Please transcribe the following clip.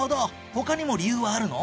他にも理由はあるの？